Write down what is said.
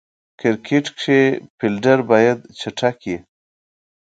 کرکټ کښي فېلډر باید چټک يي.